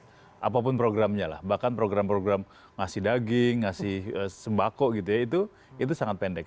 ya itu kan programnya lah bahkan program program ngasih daging ngasih sembako gitu ya itu itu sangat pendek